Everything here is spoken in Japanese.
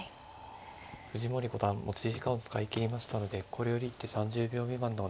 藤森五段持ち時間を使い切りましたのでこれより一手３０秒未満でお願いします。